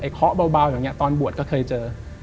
เคาะเบาอย่างนี้ตอนบวชก็เคยเจอ